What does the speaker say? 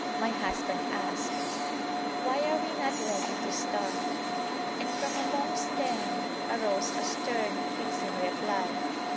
my husband asked, 'why are we not ready to start?' and from amongst them arose a stern, freezing reply.